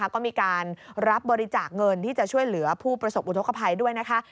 ก็มีการรับบริจาคเงินที่จะช่วยเหลือผู้ประสบอุทธกภัยด้วยนะคะ